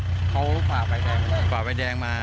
เจ้าขวาไฟแดงไปขวาไฟแดงมา